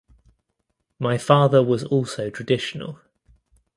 My father was also traditional.